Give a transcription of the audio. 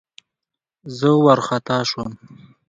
زه وارخطا شوم.